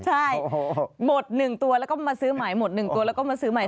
ใช่บด๑ตัวแล้วก็มาซื้อใหม่หมด๑ตัวแล้วก็มาซื้อใหม่